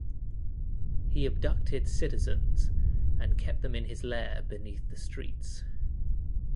He abducted citizens and kept them in his lair beneath the streets.